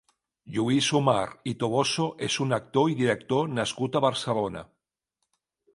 Lluís Homar i Toboso és un actor i director nascut a Barcelona.